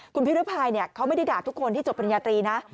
คุณพิรภัยเขาไม่ได้ด่าทุกคนที่จบปริญญาตรีนะ